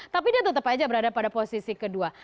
tapi dia tetap saja berada pada posisi kedua